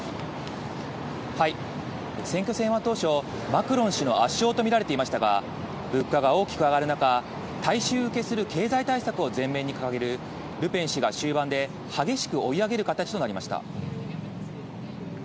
選挙戦は当初、マクロン氏の圧勝と見られていましたが、物価が大きく上がる中、大衆受けする経済対策を前面に掲げるルペン氏が終盤で激しく追い上げる形となりました。